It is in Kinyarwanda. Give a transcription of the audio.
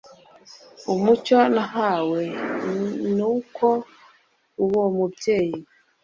Umucyo nahawe ni uko uwo mubyeyi